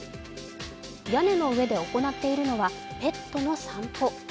屋根の上で行っているのはペットの散歩。